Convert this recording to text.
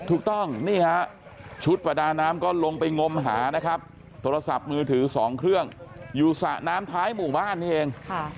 ถูกต้องนี่ฮะชุดประดาน้ำก็ลงไปงมหานะครับโทรศัพท์มือถือ๒เครื่องอยู่สระน้ำท้ายหมู่บ้านนี่เอง